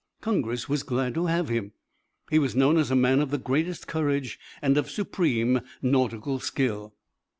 Congress was glad to have him; he was known as a man of the greatest courage and of supreme nautical skill.